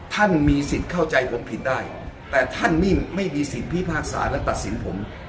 ท่านมีสิทธิ์เข้าใจผมผิดได้แต่ท่านไม่มีสิทธิ์พิพากษาและตัดสินผม